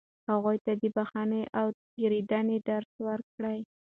هغوی ته د بښنې او تېرېدنې درس ورکړئ.